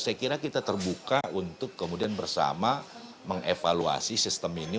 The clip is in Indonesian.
saya kira kita terbuka untuk kemudian bersama mengevaluasi sistem ini